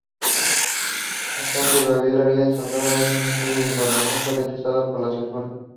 Estando Gabriel Arias Salgado de Ministro de Información, fue rechazada por la censura.